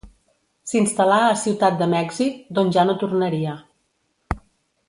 S'instal·là a Ciutat de Mèxic, d'on ja no tornaria.